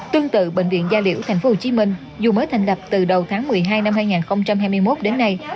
tương tự bệnh viện gia liễu tp hcm dù mới thành lập từ đầu tháng một mươi hai năm hai nghìn hai mươi một đến nay